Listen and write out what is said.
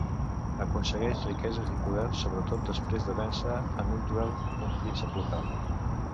Aconsegueix riqueses i poder, sobretot després de vèncer en un duel un príncep local.